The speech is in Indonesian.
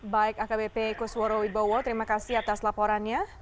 baik akbp kusworo wibowo terima kasih atas laporannya